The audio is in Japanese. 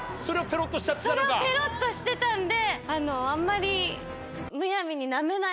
それをペロっとしてたんで。